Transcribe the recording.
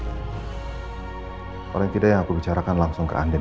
paling tidak yang aku bicarakan langsung ke anda